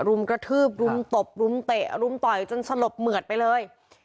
รุมกระทืบรุมตบรุมเตะรุมต่อยจนสลบเหมือดไปเลย